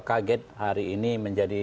kaget hari ini menjadi